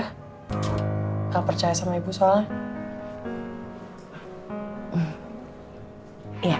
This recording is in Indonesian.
tidak percaya sama ibu soalnya